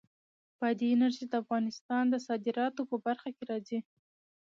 بادي انرژي د افغانستان د صادراتو په برخه کې راځي.